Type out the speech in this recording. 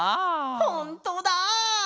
ほんとだ！